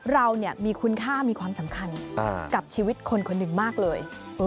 เรามีคุณค่ามีความสำคัญกับชีวิตคนคนหนึ่งมากเลย